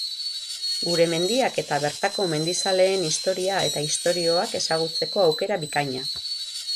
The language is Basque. Gure mendiak eta bertako mendizaleen historia eta istorioak ezagutzeko aukera bikaina.